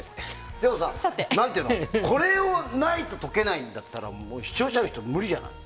でも、これがないと解けないんだったら視聴者の人無理じゃない。